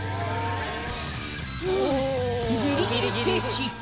「ふぅギリギリ停止」